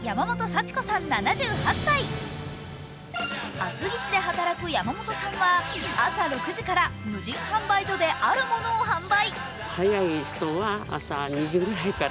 厚木市で働く山本さんは、朝６時から無人販売所であるものを販売。